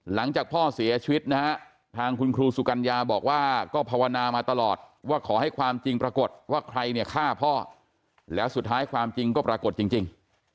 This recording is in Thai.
หลังจากพ่อเสียชีวิตนะฮะทางคุณครูสุกัญญาบอกว่าก็ภาวนามาตลอดว่าขอให้ความจริงปรากฏว่าใครเนี่ยฆ่าพ่อแล้วสุดท้ายความจริงก็ปรากฏจริง